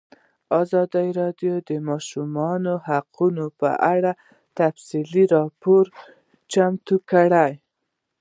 ازادي راډیو د د ماشومانو حقونه په اړه تفصیلي راپور چمتو کړی.